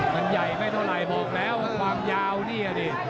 มันไม่ได้เนี่ยอาวุธโอ้โห